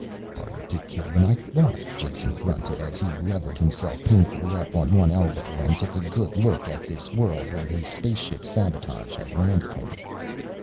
"Harder to kill than I thought," Jason grunted as he levered himself painfully up onto one elbow and took a good look at this world where his spaceship sabotage had landed them.